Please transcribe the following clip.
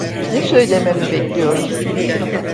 Ne söylememi bekliyorsun?